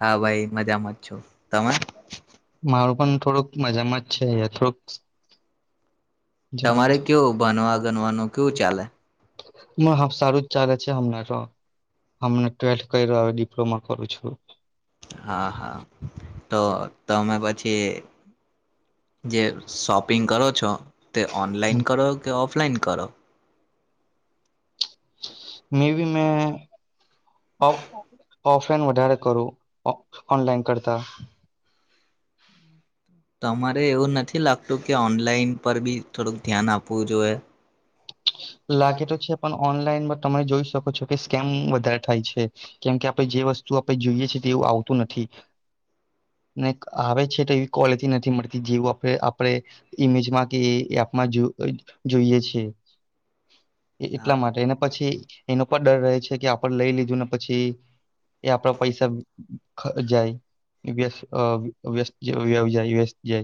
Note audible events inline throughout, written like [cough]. હા ભાઈ મજામાં જ છુ. [inaudible] મારું પણ થોડુંક મજામાં જ છે. થોડુંક તમારે કવું ભણવા, ગણવાનું કેવું ચાલે? હ સારું જ ચાલે છે હમણાં તો. હમને ટ્વેલ્થ કર્યો. હવે ડિપ્લોમા કરું છું. હા હા તો તમે પછી જે શોપિંગ કરો છો તે ઓનલાઈન કરો, કે ઓફલાઈન કરો? મે બી મેં હો ઓફલાઈન વધારે કરું. ઓ ઓનલાઈન કરતા તમા કે એવું નથી લાગતું કે ઓનલાઈન પર બી થોડુંક ધ્યાન આપવું જોઈએ. લાગે તો છે. પણ ઓનલાઈન તમે જોઈ શકો છો કે. સ્કેમ વધારે થાય છે. કેમ કે આપણે જે વસ્તુ આપણે જોઈએ છે તેવું આવતું નથી. ને ક આવે છે તો એવી કોલિટી નથી મળતી જેવુ આપડે આપડે ઈમેજમાં કે એપમાં જો જોઈએ છે. એ એટલા માટે એને પછી એનો પડર રહે છે કે આપે લઈ લીધું ને પછી એ આપડા પૈસા ખઅ જાય વયસ અ વયસ જેવુ [unintelligible] વયસ જાય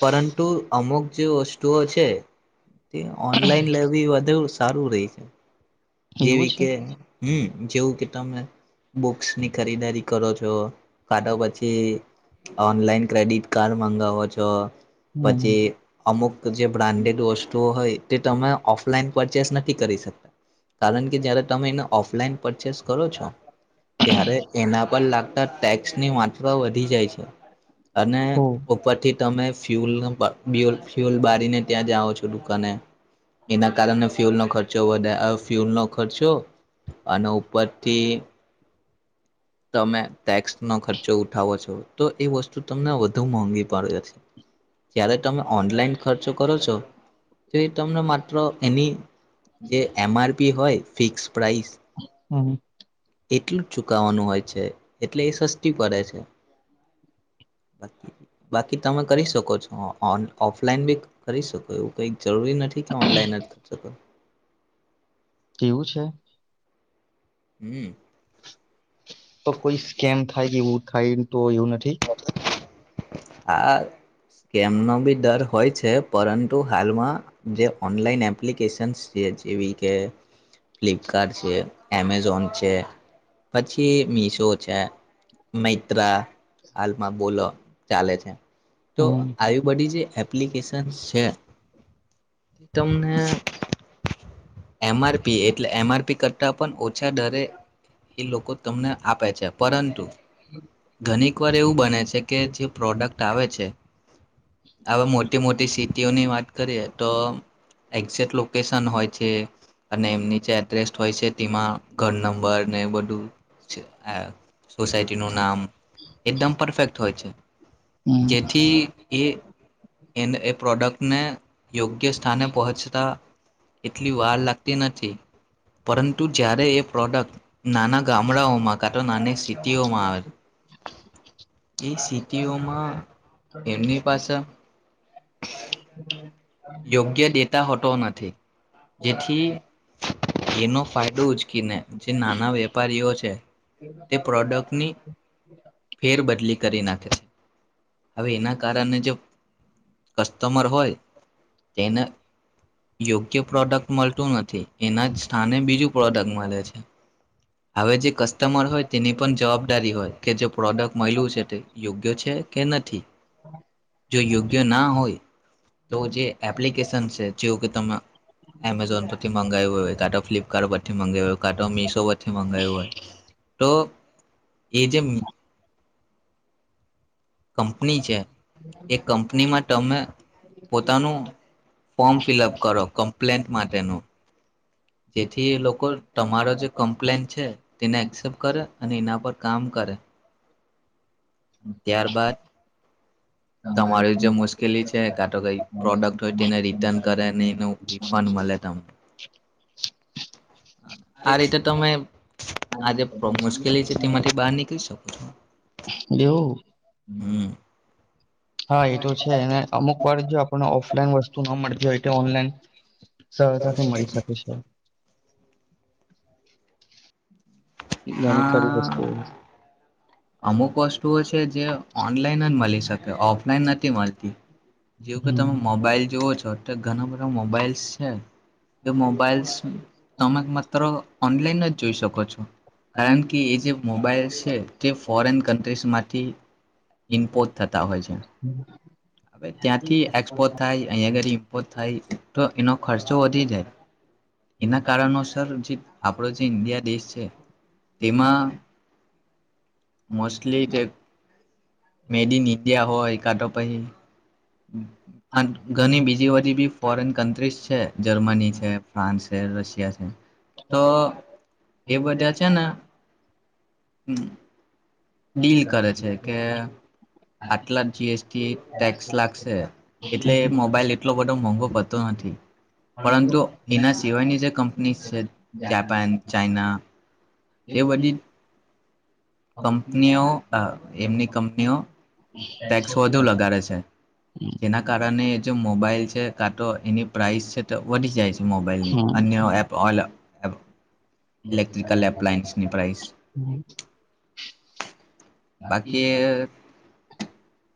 પરંતુ અમુક જે વસ્તુઓ છે તે ઓનલાઈન લેવી વધા તેવું સારું રે છ જેવી કે હમ્મ જેવું કે તમને બુક્સની ખરીદારી કરો છો, કા તો પછી ઓનલાઈન ક્રેડિટ કાર્ડ મંગાવો છો, પછી અમુક જે બ્રાન્ડેડ વસ્તુઓ હોય તે તમે ઓફલાઈન પરચેસ નથી કરી શકતા. કારણ કે જયારે તમે એને ઓફલાઈન પ કરો છો, ત્યારે એના પર લાગતા ટેક્સની માત્રા વધી જાય છે. અને ઉપરથી તમે ફ્યુલ બા બીયુલ ફ્યુલ બારીને ત્યાં જાઓ છો દુકાને, એના કારણે ફ્યુલનો ખર્ચો વધે ફ્યુલનો ખર્ચો, અને ઉપરથી તમે ટેક્સનો ખર્ચો ઉઠાવો છો, તો એ વસ્તુ તમને વધુ મોંઘી પડે છે, જય્યારે તમે ઓનલાઈન ખર્ચો કરો છો, તો એ તમને માત્ર એની જે એમ આર પી હોય ફિક્સ પ્રઇસ. એટલું જ ચુકવવાનું હોય છે, એટલે એ સસ્તી પડે છે. બાકી તમે કરી શકો છો ઓન ઓફલાઈન બી કરી શકો એવું કઈક જરૂરી નથી કે ઓનલાઈન જ ખર્ચો કરો. કેવું છે? તો કોઈ સ્કેમ થાય કેવું થાય તો એવું નથી. હા. સ્કેમનો બી ડર હોય છે પરંતુ હાલમાં જે ઓનલાઈન એપ્લિકેશન્સ છે જેવી કે ફ્લિપકાર્ટ છે, એમેઝોન છે, પછી મીશો છે, મૈત્રા. માં બોલો ચાલે છે, તો આવી બધી જે એપ્લિકેશ છે, તમને એમ આર પી એટલે એમ આર પી કરતાં પણ ઓછા ડરે એ લોકો તમને આપે છે પરંતુ. ઘણીક વાર એવું બને છે કે જે પ્રોડક્ટ આવે છે. આવા મોટી મોટી સિટીઓની વાત કરીએ તો એક્ઝેક્ટ લોકેશન હોય છે. અને એમની જે એડ્રેસ્ટ હોય છે તેમાં ઘર નંબર ને બધું છે આ સોસાયટીનું નામ, એકદમ પરફેક્ટ હોય છે, જેથી એ એને એ પ્રોડક્ટને યોગ્ય સ્થાને પહોંચતા એટલી વાર લાગતી નથી, પરંતુ જ્યારે એ પ્રોડક્ટ નાના ગામડાઓમાં કા તો નાની સિટીઓમાં આવે, એ સિટીઓમાં એમની પાસે યોગ્ય દેતા હોતો નથી, જેથી એનો ફાયદો ઉચકીને જે નાના વેપારીઓ છે, તે પ્રોડક્ટની ફેરબદલી કરી નાખે છે, હવે એના કારણે જે કસ્ટમર હોય, તેને યોગ્ય પ્રોડક્ટ મળતું નથી એના જ સ્થાને બીજું પ્રોડક્ટ મળે છે, હવે જે કસ્ટમર હોય તેની પણ જવાબદારી હોય કે જે પ્રોડક્ટ મળ્યું છે તે યોગ્ય છે કે નથી, જો યોગ્ય ના હોય, તો જે એપ્લિકેશન છે જેવું કે તમે એમેઝોન પરથી મંગાવું હોય કા તો ફ્લિપકાર્ટ પરથી મગાવું હોય કા તો મીશો પરથી મંગાવું હોય, તો એ જે કંપની છે, એ કંપનીમાં તમે પોતાનું ફોર્મ ફિલઅપ કરો કમ્પ્લેન્ટ માટેનું. જેથી એ લોકો તમારો જે કમ્પ્લેન છે તેને એક્સેપ્ટ કરે અને એના પર કામ કરે. ત્યાર બાદ તમારી જે મુશ્કેલી છે કા તો કઈ પ્રોડક્ટ હોય તેને રિટર્ન કરે ને એનું રિફંડ મળે તમને. આ રીતે તમે આ જે મુશ્કેલી છે તેમાંથી બહાર નીકળી શકો છો. હમ્મ. હા એ તો છે, ને અમુક વાર જો આપણને ઓફલાઈન વસ્તુ ના મળે [unintelligible] અનલાઇન સહતાથી મળી શકે છે. ઘણી ખરી વસ્તુઓ. અમુક વસ્તુઓ છે, જે ઓનલાઈન જ મળી શકે ઓફલાઈન નથી મળતી જેવું કે તમે મોબાઈલ જોવો છો તો ઘણા બધા મોબાઈલ્સ છે, એ મોબાઈલ્સ તમે માત્ર ઓનલાઈન જ જોઈ શકો છો. કારણ કે એ જે મોબાઈલ છે. જે ફોરેન કન્ટ્રીસમાંથી ઇમ્પોર્ટ થતા હોય છે, હવે ત્યાંથી એક્સપોર્ટ થાય અહીંયા આગળ ઇમ્પોર્ટ થાય તો એનો ખર્ચો વધી જાય એના કારણોસર જે આપણો જે ઈન્ડિયા દેશ છે. તેમાં. મોસ્ટલી તે મેડ ઇન ઇન્ડિયા હોય [unintelligible] પછી. ઘણી બીજી બધી બી ફોરેન કન્ટ્રીસ છેજર્મની છે, ફ્રાન્સ છે, રશિયા છે તો એ બધા છે, ને હમ્મ. ડીલ કરે છે, કે આટલા જીએસટી ટેક્સ લાગશે એટલે એ મોબાઈલ એટલો બધો મોંઘો પતો નથી પરંતુ એના સિવાયની જે કંપની છે, જાપાન ચાઈના એ વડી [inaudible] કંપનીઓ એમની કંપનીઓ ટેક્સ વધુ લગાડે છે, જેના કારણે જે મોબાઈલ છે, કાં તો એની પ્રાઇસ છે, તો વધી જાય છે, મોબાઈલની અન્ય એપ ઓ એપ [inaudible] બાકી.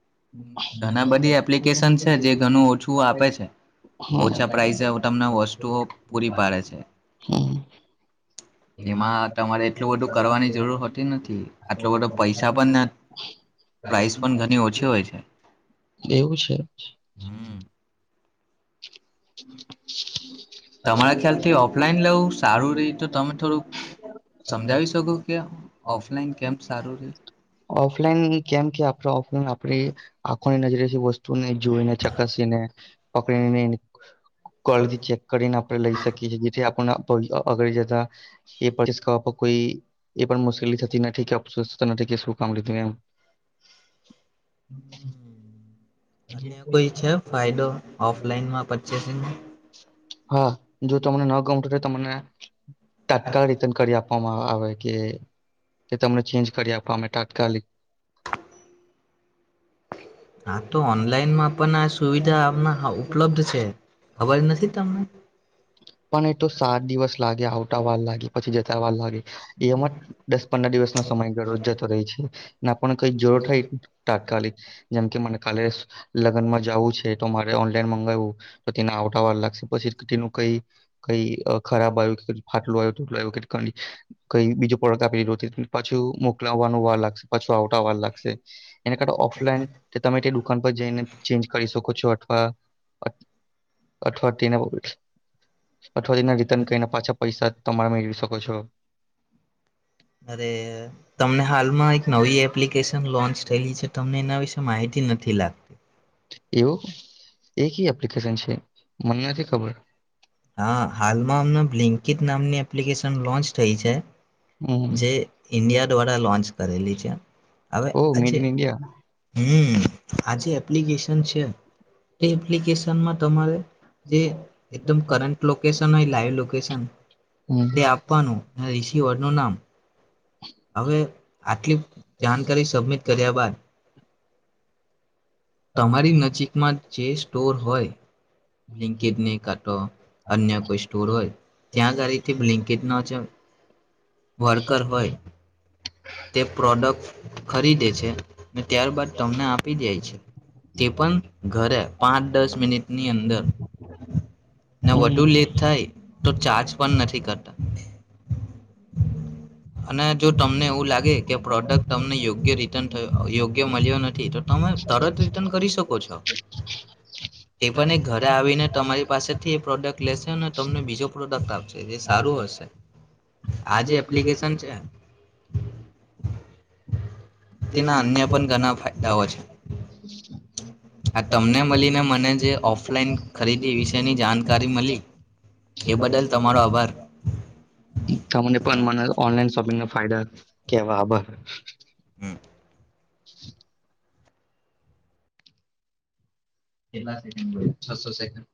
[unintelligible] એવું છે. ઓફલાઈન [unintelligible] આપ આખોની નજરે વસ્તુ [unintelligible] જોઈને ચકાસી ને [unintelligible] કલથી ચેક કરીને આપડણે લઈ શકીએ છીએ જેથી આપણા. અગડી જતા એ કોઈ એ પણ મુશ્કેલી થતી નથી અ થતા શું કામ લીધું એમ. [unintelligible] અન્ય કોઈ છે, ફાયદો ઓફલાઈનમાં પરચેસિંગ. હા જો તમને ન ગમત તમને તાત્કાલ રીતન કરી આપવામાં આ આવે કે તે તમને ચેન્જ કરી આપવામે તાત્કાલિક હા તો ઓનલાઈનમાં પણ આ સુવિધા આણા ઉપલબ્ધ છે ખબર નથી તમને પણ એ તો સાત દિવસ લાગે આવતાા વાર લાગી પછી જતા વાર લાગે એમાં જ દસ પંદર દિવસનો સમય ગળ જતો રહે છે. ના પણ કઈ જર થઈ ટાટકાલી જેમ કે મને કાલે લગ્નમાં જું છે તો મારે ઓનલાઈન મગાવવું તો તેને આવટવાર લાગશે પછી તેનું કઈ કઈ ખરાબ અ આવ્યું કે ફાટલું આવ્યુંટલું આવ્યું કે કઈ બીજું પ્રોડક્ટ આપીધ પાછું મોકલાવાનું વાર લાગશે પાછું આવટ વાર લાગશે એને કાઢો ઓફલાઈન તમે દુકાન પર જઈને ચેન્જ કરી શકો છો અથવા અઠવા તેને અઠવાડયના રીટર્ન કરીને પાછા પૈસા તમારે મેળવી શ કોછો અરે તમને હાલમાં એક નવી એપ્લિકેશન લોન્ચ થયેલી છે તમને એના વિશે માહિતી નથી લાગતી એવું એક એપ્લિકેશન છે મને નથી ખબર હા હાલમાં અમને બ્લિંકિત નામની એપ્લિકેશન લોન્ચ થઈ છે જે ઈન્ડિયા દ્વારા લોન્ચ કરેલી છે હવે આજે હમ આ જે એપ્લિકેશન છે તે એપ્લિકેશનમાં તમારે જે એક કરટકેશન હોય લાઈવકેશન તે આપવાનું રિસિવર નું નામ હવે આટલી જાણકારી સબમિટ કર્યા બાદ તમારી નજીકમાં જે સ્ટોર હોય બ્લિન્કેજને અન્ય કોઈ સ્ટોર હોય ત્યાં ગાડીથી બલિકીટન છે. વરકર હોય તે પ્રોડક્ટ ખરીદે છે ત્યારબાદ તમને આપી જાય છે તે પણ ઘરે પાંચ દસ મિનિટની અંદર ને વધુ લેટ થાય તો ચાર્જ પણ નથી કરતા અને જો તમને એવું લાગ ગે કે પ્રોડક્ટ તમને યોગ્ય રિટન થયો યોગ્ય મલ્યો નથી તો તમે તરત રિટર્ન કરી શકો છો તે પણ એ ઘરે આવીને તમારી પાસેથી એ પ્રોડક્ટ લેશે અને તમને બીજો પ્રોડક્ટ આપશે જે સારું હશે. આ જે એપ્લિકેશન છે. ના અન્ય પણ ઘણા ફાયદા છે તમને મળીને જે માને ઓનલાઈન ખરીદી વિશેની જાણકારી મળી તે બદલ તમારો આભાર તમને પણ મને ઓનલાઈન શોપિંગના ફાયદા કેવા આભાર હમ કેટલા સેકન્ડ મળ છસો સેકન્ડ